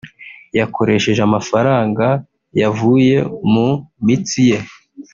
yakoresheje amafaranga yavuye mu mitsi ye